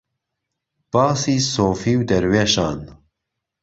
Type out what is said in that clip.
باسی سۆفی و دەروێشان